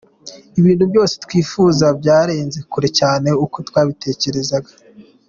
Ibintu byose twifuzaga byarenze kure cyane uko twabitekerezaga.